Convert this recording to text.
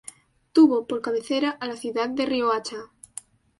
Tuvo por cabecera a la ciudad de Riohacha.